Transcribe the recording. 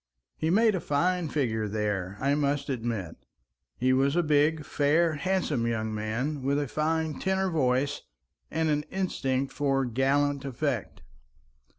He made a fine figure there, I must admit; he was a big, fair, handsome young man with a fine tenor voice and an instinct for gallant effect.